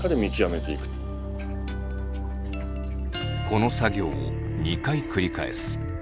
この作業を２回繰り返す。